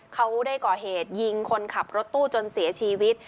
เขาได้ก่อเหตุยิงคนขับรถตู้จนเสียชีวิต